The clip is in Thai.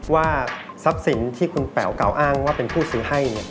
ว่าทรัพย์สินที่คุณแป๋วกล่าวอ้างว่าเป็นผู้ซื้อให้